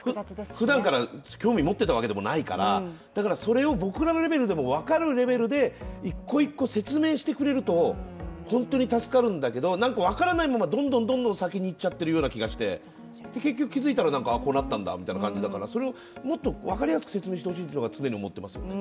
ふだんから興味を持っていたわけじゃないからだからそれを僕らのレベルでも分かるレベルで１個１個説明してくれると本当に助かるんだけれども、分からないままどんどん先にいっちゃっているような気がして結局気づいたら、こうなったんだってなるからそれをもっと分かりやすく説明して欲しいと常に思っていますよね。